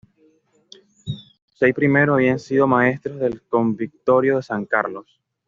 Los seis primeros habían sido maestros del Convictorio de San Carlos.